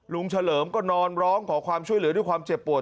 เฉลิมก็นอนร้องขอความช่วยเหลือด้วยความเจ็บปวด